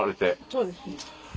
そうですね。